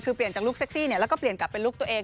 คือเปลี่ยนจากลูกเซ็กซี่แล้วก็เปลี่ยนกลับเป็นลูกตัวเอง